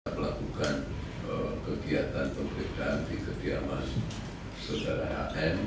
melakukan kegiatan pemerintahan di ketiaman segera